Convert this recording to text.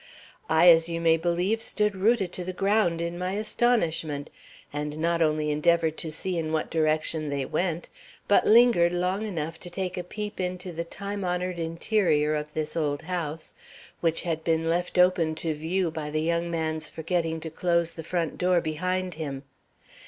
I, as you may believe, stood rooted to the ground in my astonishment, and not only endeavored to see in what direction they went, but lingered long enough to take a peep into the time honored interior of this old house, which had been left open to view by the young man's forgetting to close the front door behind him.